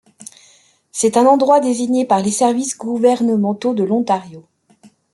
C'est un endroit désigné par les services gouvernementaux de l'Ontario.